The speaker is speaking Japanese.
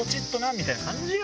みたいな感じよ。